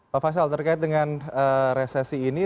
pak faisal terkait dengan resesi ini